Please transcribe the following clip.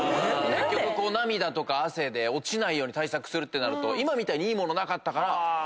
涙とか汗で落ちないように対策するってなると今みたいにいい物なかったから。